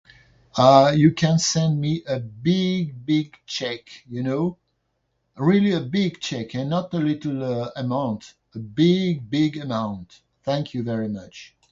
Uh, you can send me a big, big check, you know? Really a big check, eh?..not the little, uh, amount. The big, big amount. Thank you very much.